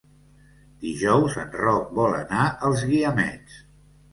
Dijous en Roc vol anar als Guiamets.